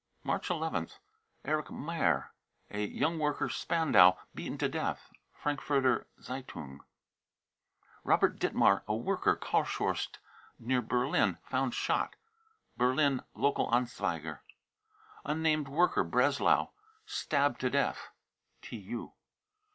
March nth. erich meyer, a young worker, Spandau, beaten to death. (Frankfurter Z e ^ un S ) Robert dittmar, a worker, Karlshorst, near Berlin, found shot. (Berlin Lokal Anzeiger.) unnamed worker, Breslau, stabbed to death. ( 777